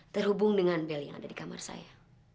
terhubung dengan beli yang ada di kamar saya